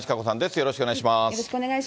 よろしくお願いします。